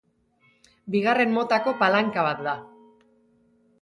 Bigarren motako palanka bat da.